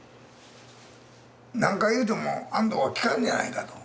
何回言うても安藤は聞かんじゃないかと。